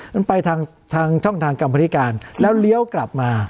มันไปทางช่องทางกรรมพนิการแล้วเลี้ยวกลับมา